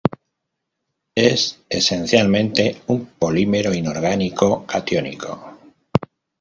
Es esencialmente un polímero inorgánico catiónico.